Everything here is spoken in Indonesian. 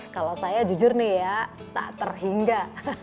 kalau saya jujur nih ya tak terhingga